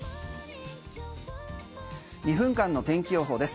２分間の天気予報です。